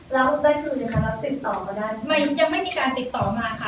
แล้วได้รู้เลยค่ะแล้วติดต่อมาได้ไหมไม่ยังไม่มีการติดต่อมาค่ะ